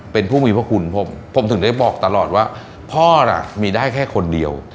เป็นผู้มีพระคุณผมถึงได้บอกตลอดว่าพ่อน่ะมีได้แค่คนเดียว